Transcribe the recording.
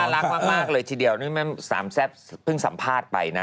อันนี้จิตอารักมากเลยทีเดียวนี่แม่งสามแซ่บเพิ่งสัมภาษณ์ไปนะ